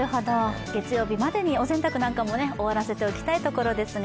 月曜日までにお洗濯なんかも終わらせておきたいところですが。